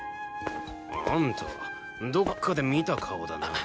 あんたどっかで見た顔だな。